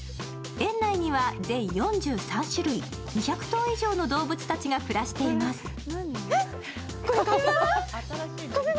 園内には全４３種類、５００頭以上の動物たちが暮らしています。